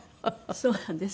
そうなんです。